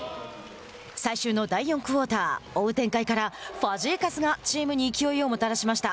最終の第４クオーター追う展開からファジーカスがチームに勢いをもたらしました。